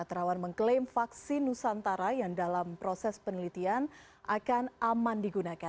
terawan mengklaim vaksin nusantara yang dalam proses penelitian akan aman digunakan